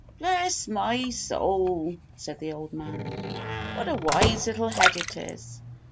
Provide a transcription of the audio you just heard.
"Bless my soul," said the old man. "What a wise little head it is!